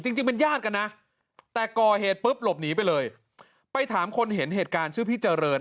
จริงจริงเป็นญาติกันนะแต่ก่อเหตุปุ๊บหลบหนีไปเลยไปถามคนเห็นเหตุการณ์ชื่อพี่เจริญ